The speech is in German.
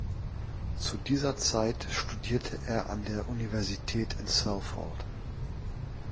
Zu dieser Zeit studierte er an der Universität in Salford.